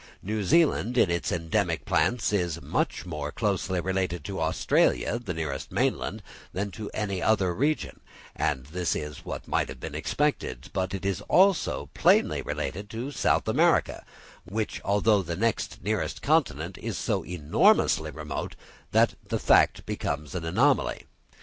New Zealand in its endemic plants is much more closely related to Australia, the nearest mainland, than to any other region: and this is what might have been expected; but it is also plainly related to South America, which, although the next nearest continent, is so enormously remote, that the fact becomes an anomaly.